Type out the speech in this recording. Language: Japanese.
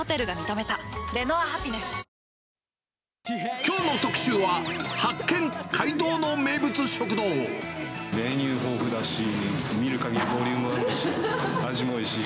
きょうの特集は、メニュー豊富だし、見るかぎりボリュームあるし、味もおいしいし。